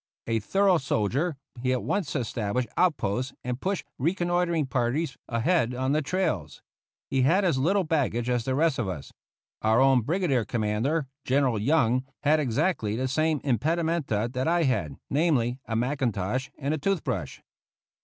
A thorough soldier, he at once established outposts and pushed reconnoitring parties ahead on the trails. He had as little baggage as the rest of us. Our own Brigade Commander, General Young, had exactly the same impedimenta that I had, namely, a mackintosh and a tooth brush.